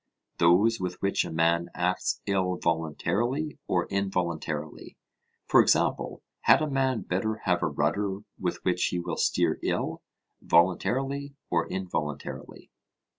those with which a man acts ill voluntarily or involuntarily? For example, had a man better have a rudder with which he will steer ill, voluntarily or involuntarily?